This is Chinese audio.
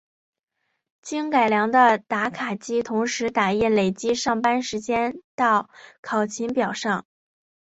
经改良的打卡机同时打印累计上班时间到考勤表上。